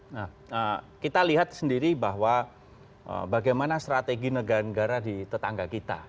nah kita lihat sendiri bahwa bagaimana strategi negara negara di tetangga kita